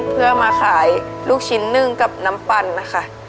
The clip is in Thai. เพื่อมาขายลูกชิ้นนึ่งกับน้ำปั่นนะคะ